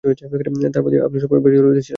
তার প্রতি আপনি সবসময়ই বেশ দরদী ছিলেন।